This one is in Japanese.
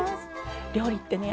料理ってね